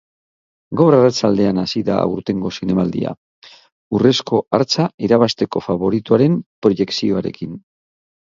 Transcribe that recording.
Gaur arratsaldean hasi da aurtengo zinemaldia, urrezko hartza irabazteko faborikoaren proiekzioarekin.